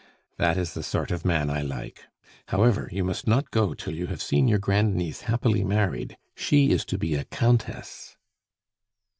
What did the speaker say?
"That is the sort of man I like. However, you must not go till you have seen your grand niece happily married. She is to be a Countess."